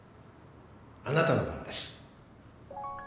あなたの番です。